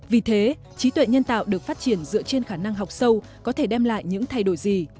vì thế trí tuệ nhân tạo được phát triển dựa trên khả năng học sâu có thể đem lại những thay đổi gì